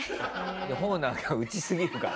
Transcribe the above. ホーナーが打ちすぎるから。